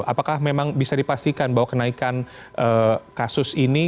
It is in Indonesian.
apakah memang bisa dipastikan bahwa kenaikan kasus ini